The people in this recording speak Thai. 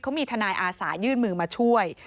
เขามีทนายอาสายื่นมือมาช่วย